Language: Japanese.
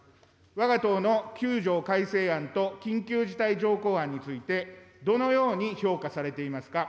わが党の９条改正案と緊急事態条項案について、どのように評価されていますか。